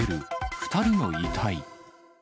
２人の遺体。